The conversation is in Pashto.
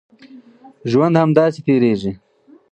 ژوند همداسې تېرېږي.